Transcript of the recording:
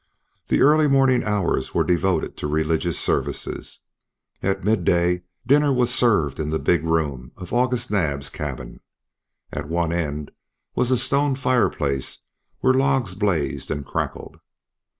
The early morning hours were devoted to religious services. At midday dinner was served in the big room of August Naab's cabin. At one end was a stone fireplace where logs blazed and crackled.